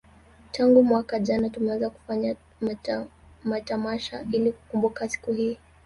Tangu mwaka jana tumeanza kufanya matamasha ili kukumbuka siku hii